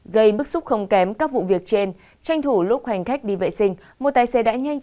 gây bức xúc không kém các vụ việc trên tranh thủ lúc hành khách đi vệ sinh